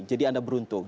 jadi anda beruntung